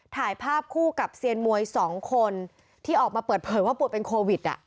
ถ่ายภาพคู่กับเซียนมวย๒คนที่ออกมาเปิดเผยว่าป่วยเป็นโควิด